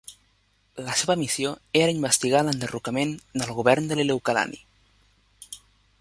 La seva missió era investigar l'enderrocament del govern de Liliuokalani.